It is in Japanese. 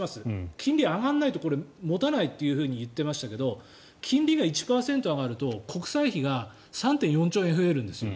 金利が上がらないと、これは持たないといっていましたけど金利が１％上がると、国債費が３．４兆円増えるんです。